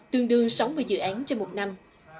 tương đương sáu mươi dự án trên một năm